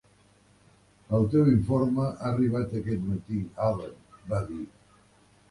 "El teu informe ha arribat aquest matí, Alan", va dir.